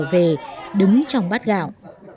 trở về đứng trong bát gạo